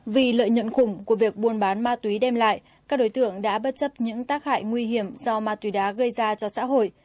vì lợi nhuận khủng của việc buôn bán ma túy đem lại các đối tượng đã bất chấp những tác hại nguy hiểm do ma túy đá gây ra cho xã hội